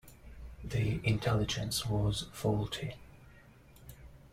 The intelligence was faulty.